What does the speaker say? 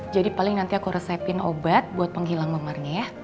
jadi paling nanti aku resepin obat buat penghilang memarnya ya